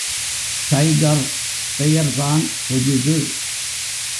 Tiger! பெயர் தான் புதிது.